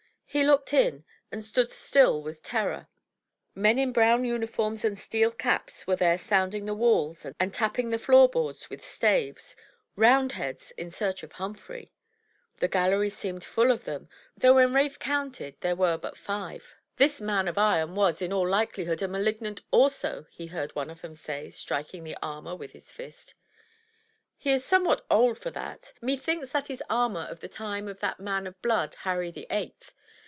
He looked in, and stood still with terror. Men in brown uniforms and steel caps were there sounding the walls and tapping the floor boards with staves — Roundheads in search of Humphrey! The gallery seemed full of them, though when Rafe counted there were but five. 322 THE TREASURE CHEST "This man of iron was, in all likelihood, a Malignant also," he heard one of them say, striking the armor with his fist. He is somewhat old for that. Methinks that is armor of the time of that man of blood, Harry the Eighth.